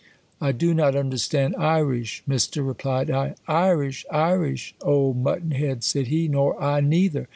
I do not understand Irish, Mister, replied i. Irish! Irish! old mutton head, said he; nor I neither.